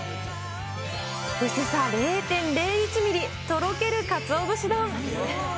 薄さ０．０１ミリ、とろけるかつお節丼。